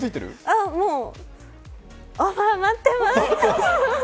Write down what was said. あっ、もうオファー待ってます！